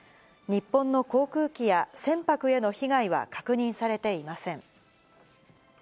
日本の航空機や船舶への被害は確認されていません。